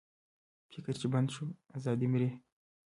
فکر چې بند شو، ازادي مري.